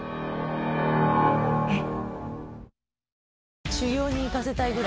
えっ？